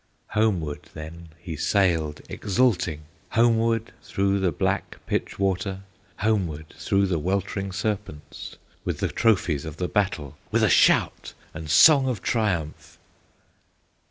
Homeward then he sailed exulting, Homeward through the black pitch water, Homeward through the weltering serpents, With the trophies of the battle, With a shout and song of triumph.